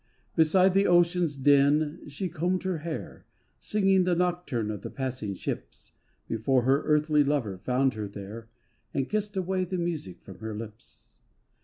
Beside the ocean's din she combed her hair, Singing the nocturne of the passing ships, Before her earthly lover found her there And kissed away the music from her lips.